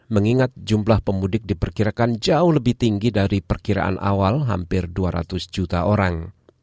mengingat jumlah pemudik diperkirakan jauh lebih tinggi dari perkiraan awal hampir dua ratus juta orang